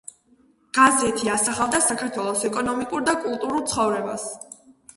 გაზეთი ასახავდა საქართველოს ეკონომიკურ და კულტურულ ცხოვრებას.